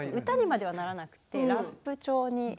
歌にまではならなくてラップ調に。